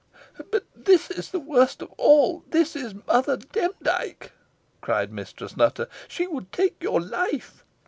"But this is the worst of all this is Mother Demdike," cried Mistress Nutter. "She would take your life.